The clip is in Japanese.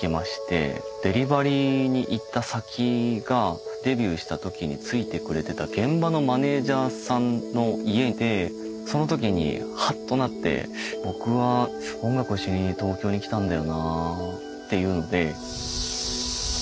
デリバリーに行った先がデビューしたときに付いてくれてた現場のマネジャーさんの家でそのときにハッとなって僕は音楽をしに東京に来たんだよなっていうんで。